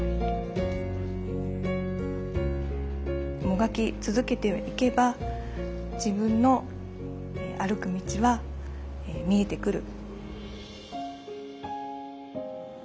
もがき続けていけば自分の歩く道は見えてくる。